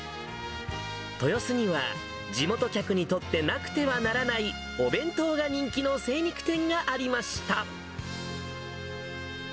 豊洲には、地元客にとってなくてはならないお弁当が人気の精肉店がありました。